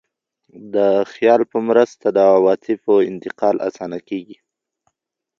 د خیال په مرسته د عواطفو انتقال اسانه کېږي.